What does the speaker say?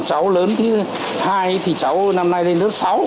cháu lớn thứ hai thì cháu năm nay lên lớp sáu